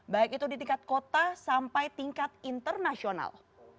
baik itu di tingkat kota sampai tingkat internasional